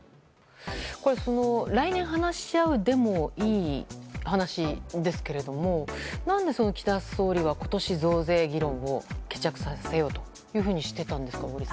来年話し合うでもいい話ですけれども何で岸田総理は今年増税議論を決着させようとしていたんですか。